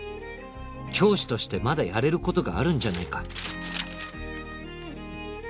「教師としてまだやれることがあるんじゃないか」